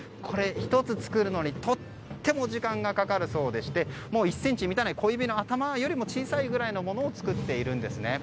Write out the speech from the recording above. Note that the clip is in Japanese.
１つ作るのにとても時間がかかるそうでして１ｃｍに満たない小指の頭よりも小さいぐらいのものを作っているんです。